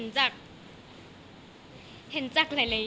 สวัสดีครับ